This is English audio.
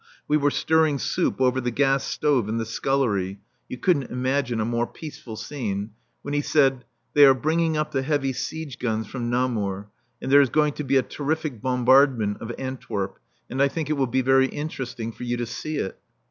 We were stirring soup over the gas stove in the scullery you couldn't imagine a more peaceful scene when he said, "They are bringing up the heavy siege guns from Namur, and there is going to be a terrific bombardment of Antwerp, and I think it will be very interesting for you to see it."